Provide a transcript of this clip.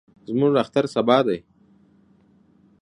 زموږ اختر سبا دئ.